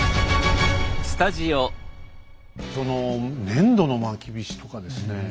その粘土のまきびしとかですね